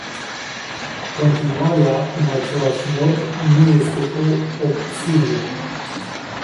Continuarea în același mod nu este o opțiune.